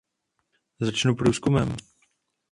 Začnu průzkumem.